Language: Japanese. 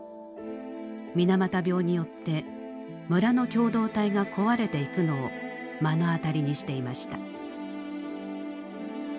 水俣病によって村の共同体が壊れていくのを目の当たりにしていました。